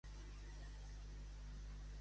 Com creu Miquel que és el moment actual?